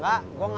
taruh aja gitu